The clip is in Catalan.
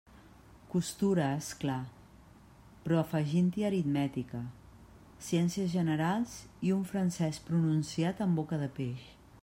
Costura, és clar, però afegint-hi aritmètica, ciències generals, i un francés pronunciat amb boca de peix.